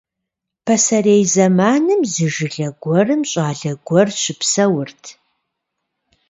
Пасэрей зэманым зы жылэ гуэрым щӀалэ гуэр щыпсэурт.